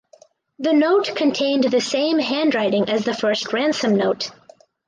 The note contained the same handwriting as the first ransom note.